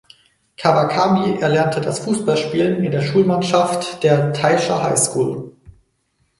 Kawakami erlernte das Fußballspielen in der Schulmannschaft der "Taisha High School".